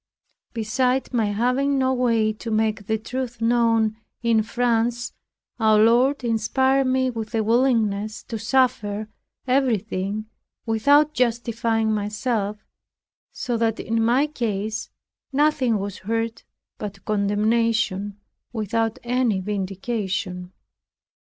Beside my having no way to make the truth known in France, our Lord inspired me with a willingness to suffer everything, without justifying myself; so that in my case nothing was heard but condemnation, without any vindication.